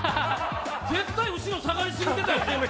絶対後ろ下がりすぎてたよね。